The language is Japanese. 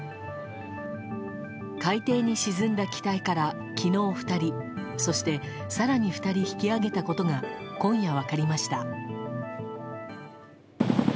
海底に沈んだ機体から昨日２人そして、更に２人引き揚げたことが今夜分かりました。